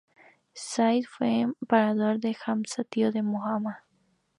Zayd fue emparejado con Hamza, tío de Mahoma.